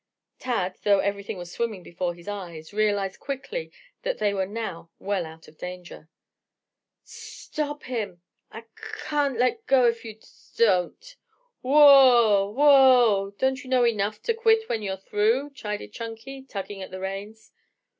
Tad, though everything was swimming before his eyes, realized quickly that they were now well out of danger. "St t t top him. I c c c an't let go if you d d don't." "Whoa! Whoa! Don't you know enough to quit when you're through?" chided Chunky, tugging at the reins.